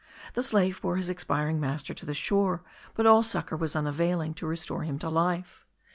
The slave bore his expiring master to the shore; but all succour was unavailing to restore him to life.